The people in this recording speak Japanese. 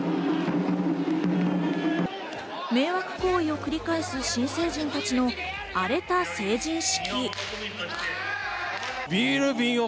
迷惑行為を繰り返す新成人たちの荒れた成人式。